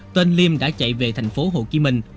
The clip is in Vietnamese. tên liêm đã chạy về thành phố hồ chí minh